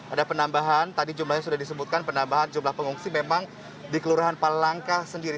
ada penambahan tadi jumlahnya sudah disebutkan penambahan jumlah pengungsi memang di kelurahan palangkah sendiri